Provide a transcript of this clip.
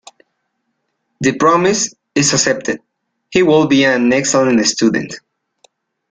The promise: if accepted, he would be an excellent student.